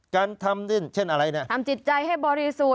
การทำเช่นอะไรนะทำจิตใจให้บริสุทธิ์